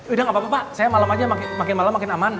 udah gak apa apa pak saya malam aja makin malam makin aman